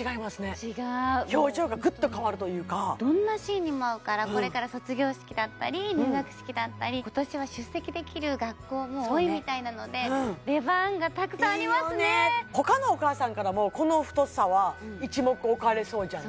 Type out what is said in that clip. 違う表情がグッと変わるというかどんなシーンにも合うからこれから今年は出席できる学校も多いみたいなので出番がたくさんありますねいいよねほかのお母さんからもこの太さは一目置かれそうじゃない？